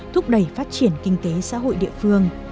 thúc đẩy phát triển kinh tế xã hội địa phương